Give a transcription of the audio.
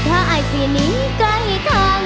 ไทยสีนี้ใกล้ทาง